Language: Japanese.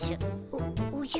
おおじゃ。